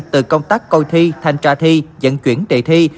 từ công tác coi thi thanh tra thi dẫn chuyển đề thi